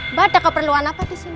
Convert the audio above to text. mbak ada keperluan apa disini